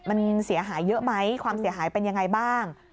มันเสียหายเยอะไหมความเสียหายเป็นยังไงบ้าง